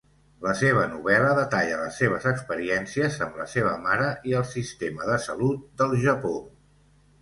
La seva novel·la detalla les seves experiències amb la seva mare i el sistema de salut del Japó.